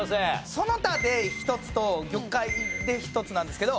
その他で１つと魚介で１つなんですけど。